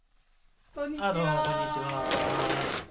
こんにちは。